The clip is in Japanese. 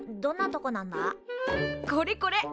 これこれ！